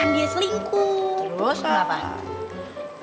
ya nggak mau pindah ke sekolah sini